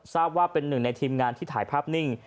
ทราบว่าเป็นหนึ่งในทีมงานที่ถ่ายภาพนิ่ง